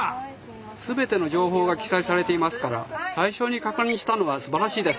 全ての情報が記載されていますから最初に確認したのはすばらしいです！